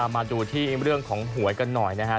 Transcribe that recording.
มาดูที่เรื่องของหวยกันหน่อยนะฮะ